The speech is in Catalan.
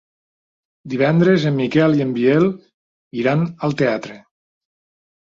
Divendres en Miquel i en Biel iran al teatre.